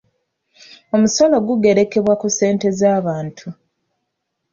Omusolo gugerekebwa ku ssente z'abantu.